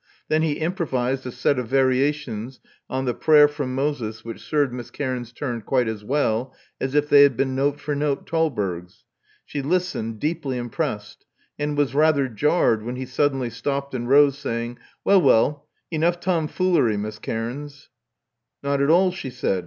Then he improvised a set of variations on the prayer from Moses" which served Miss Cairns's turn quite as well as if they had been note for note Thalberg's. She listened, deeply impressed, and was rather jarred when he suddenly stopped and rose, saying, Well, well: enough tom foolery. Miss Cairns." Not at all," she said.